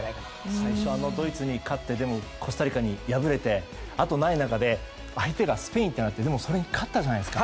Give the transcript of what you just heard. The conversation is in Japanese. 最初、ドイツに勝ってコスタリカに敗れて後がない中で相手がスペインでそれに勝ったじゃないですか。